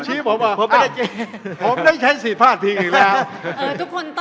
ชี้ผมอ่ะผมไม่ได้อ่าผมได้ใช้สิทธิ์ภาพทีอีกแล้วเออทุกคนต้อง